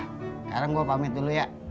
sekarang gue pamit dulu ya